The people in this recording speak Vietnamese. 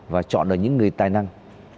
và chọn được những người tài năng